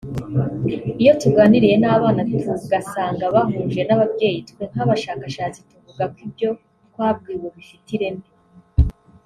Iyo tuganiriye n’abana tugasanga bahuje n’ababyeyi twe nk’abashakashatsi tuvuga ko ibyo twabwiwe bifite ireme